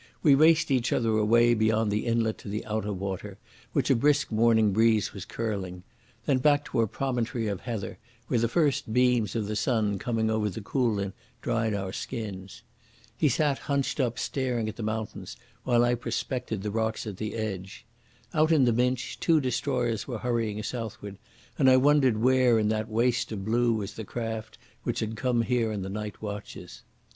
We raced each other away beyond the inlet to the outer water, which a brisk morning breeze was curling. Then back to a promontory of heather, where the first beams of the sun coming over the Coolin dried our skins. He sat hunched up staring at the mountains while I prospected the rocks at the edge. Out in the Minch two destroyers were hurrying southward, and I wondered where in that waste of blue was the craft which had come here in the night watches.